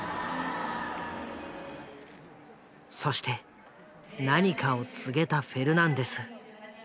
そして何かを告げたフェルナンデス。